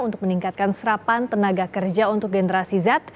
untuk meningkatkan serapan tenaga kerja untuk generasi z